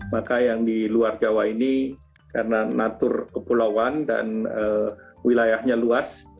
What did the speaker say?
maka yang di luar jawa ini karena natur kepulauan dan wilayahnya luas